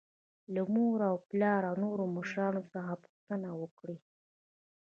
له مور او پلار او نورو مشرانو څخه پوښتنه وکړئ.